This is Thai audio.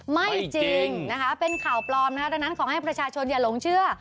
ไม่จริงนะคะเป็นข่าวปลอมนะคะดังนั้นขอให้ประชาชนอย่าหลงเชื่อ